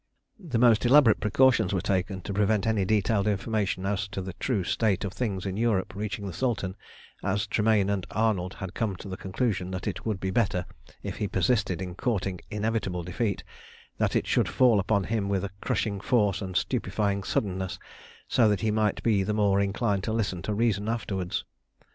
The most elaborate precautions were taken to prevent any detailed information as to the true state of things in Europe reaching the Sultan, as Tremayne and Arnold had come to the conclusion that it would be better, if he persisted in courting inevitable defeat, that it should fall upon him with crushing force and stupefying suddenness, so that he might be the more inclined to listen to reason afterwards.